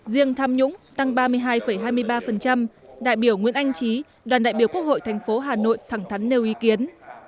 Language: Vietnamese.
riêng tham nhũng tăng ba mươi hai hai mươi ba đại biểu nguyễn anh trí đoàn đại biểu quốc hội thành phố hà nội thẳng thắn nêu ý kiến